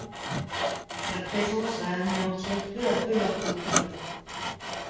Sa présence va anéantir peu à peu leur couple.